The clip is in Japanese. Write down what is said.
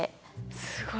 すごい！